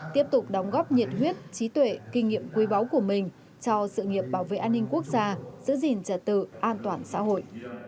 tiếp tục đóng góp nhiệt huyết trí tuệ kinh nghiệm quý báu của mình cho sự nghiệp bảo vệ an ninh quốc gia giữ gìn trật tự an toàn xã hội